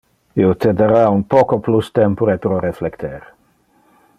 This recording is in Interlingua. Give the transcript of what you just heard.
Io te dara un poco plus tempore pro reflecter.